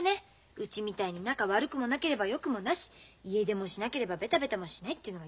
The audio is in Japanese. うちみたいに仲悪くもなければよくもなし家出もしなければベタベタもしないっていうのが一番タチ悪いよね。